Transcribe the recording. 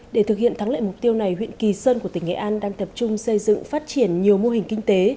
để thực hiện thắng lợi mục tiêu này huyện kỳ sơn của tỉnh nghệ an đang tập trung xây dựng phát triển nhiều mô hình kinh tế